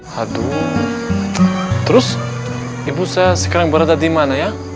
satu terus ibu saya sekarang berada di mana ya